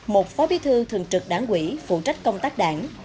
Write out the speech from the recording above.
một phó bí thư thường trực đảng quỹ phụ trách công tác đảng